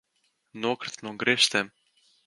Nokrita no griestiem!